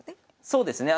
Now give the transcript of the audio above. そうですね。